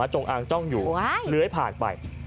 จงอางจ้องอยู่เลื้อยผ่านไป